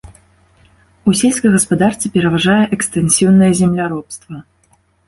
У сельскай гаспадарцы пераважае экстэнсіўнае земляробства.